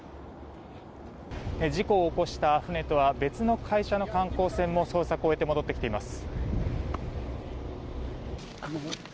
事故を起こした船とは別の会社の観光船も捜索を終えて戻ってきています。